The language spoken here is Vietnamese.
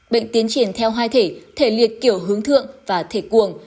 bệnh tiến triển theo hai thể thể liệt kiểu hướng thượng và thể cuồng